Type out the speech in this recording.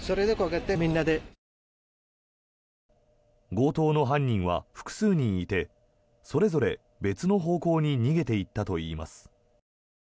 強盗の犯人は複数人いてそれぞれ別の方向に逃げていったといいます。